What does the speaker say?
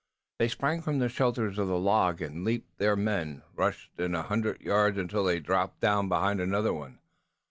They sprang from the shelter of the log, and, leading their men, rushed in a hundred yards until they dropped down behind another one.